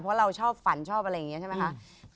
เพราะเราชอบฝันชอบอะไรอย่างนี้ใช่ไหมคะ